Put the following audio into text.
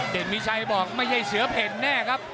เด่นมีชัยบอกไม่ใช่เสือเพชรแน่ครับ